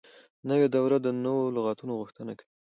نوې دوره د نوو لغاتو غوښتنه کوي.